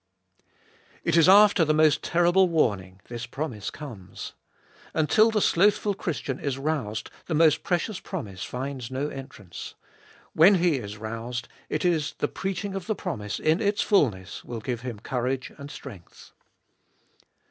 1. It Is after the most terrible warning this promise comes. Until the slothful Christian ts roused the most precious promise finds no entrance. When he is roused, it is the preaching of the promise in its fulness will glue him courage and strength.